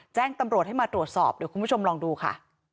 แจ้งตำรวจให้มาตรวจสอบเดี๋ยวคุณผู้ชมลองดูค่ะ